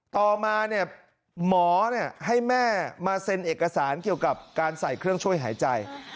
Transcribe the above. ต่อมาเนี่ยหมอให้แม่มาเซ็นเอกสารเกี่ยวกับการใส่เครื่องช่วยหายใจ